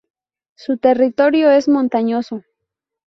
Su territorio es montañoso.